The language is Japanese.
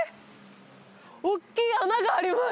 おっきい穴があります！